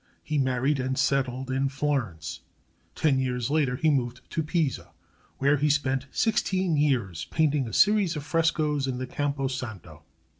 He married and settled in Florence. Ten years later he moved to Pisa, where he spent sixteen years painting a series of frescos in the Campo Santo.